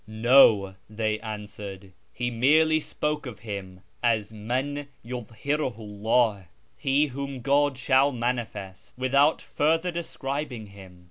"No," he answered, "he merely spoke of him as ' Man yudh hiruhu 'lldh '{' He whom God shall manifest),' without further describing him."